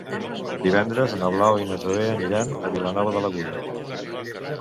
Divendres na Blau i na Zoè aniran a Vilanova de l'Aguda.